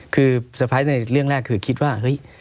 คือเซอร์ไพรส์ในเรื่องแรกคือคิดว่าเฮ้ย